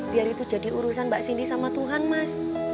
biar itu jadi urusan mbak sindi sama tuhan mas